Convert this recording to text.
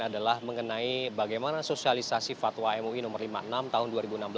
adalah mengenai bagaimana sosialisasi fatwa mui nomor lima puluh enam tahun dua ribu enam belas